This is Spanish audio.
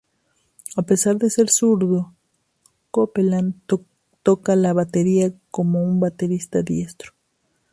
A pesar de ser zurdo, Copeland toca la batería como un baterista diestro.